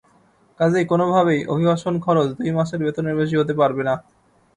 কাজেই কোনোভাবেই অভিবাসন খরচ দুই মাসের বেতনের বেশি হতে পারবে না।